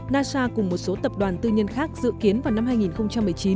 nasa cùng một số tập đoàn tư nhân khác dự kiến vào năm hai nghìn một mươi chín